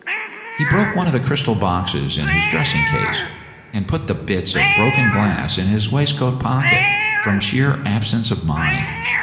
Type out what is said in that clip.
He broke one of the crystal boxes in his dressing case, and put the bits of broken glass in his waistcoat pocket from sheer absence of mind.